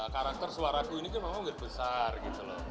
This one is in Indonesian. karakter suaraku ini kan memang besar gitu loh